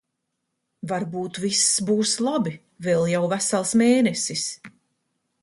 Varbūt viss būs labi? Vēl jau vesels mēnesis.